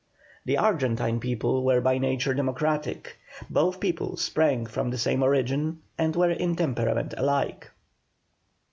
The Argentine people were by nature democratic. Both people sprang from the same origin, and were in temperament alike.